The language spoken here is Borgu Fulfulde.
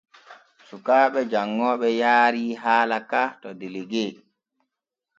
Sukaaɓe janŋooɓe yaarii haala ka to delegue.